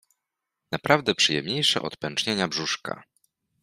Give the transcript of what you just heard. Naprawdę przyjemniejsze od pęcznienia brzuszka.